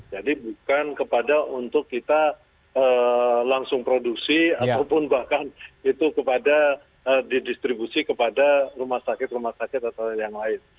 jadi bukan kepada untuk kita langsung produksi ataupun bahkan itu kepada didistribusi kepada rumah sakit rumah sakit atau yang lain